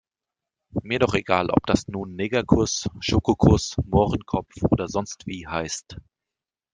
Mir doch egal, ob das nun Negerkuss, Schokokuss, Mohrenkopf oder sonstwie heißt.